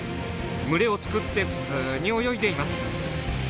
群れを作って普通に泳いでいます。